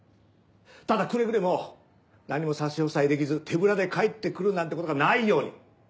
ただくれぐれも何にも差し押さえできず手ぶらで帰ってくるなんてことがないように。